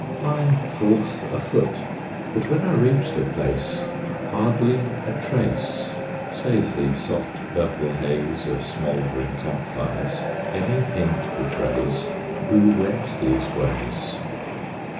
I forth afoot; but when I reach the place, Hardly a trace, Save the soft purple haze Of smouldering camp fires, any hint betrays Who went these ways.